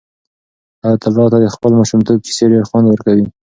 حیات الله ته د خپل ماشومتوب کیسې ډېر خوند ورکوي.